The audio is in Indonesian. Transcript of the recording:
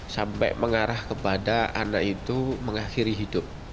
sampai mengarah kepada anak itu mengakhiri hidup